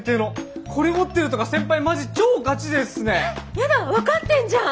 やだ分かってんじゃん。